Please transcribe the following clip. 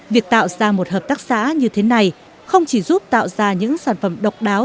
việc tạo ra một hợp tác xã như thế này không chỉ giúp tạo ra những sản phẩm độc đáo